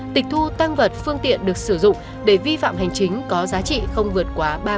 tịch thu tăng vật phương tiện được sử dụng để vi phạm hành chính có giá trị không vượt quá ba mươi